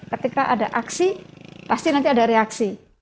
ketika ada aksi pasti nanti ada reaksi